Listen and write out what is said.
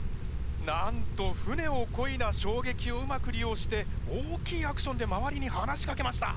なんと船をこいだしょうげきをうまく利用して大きいアクションで周りに話しかけました！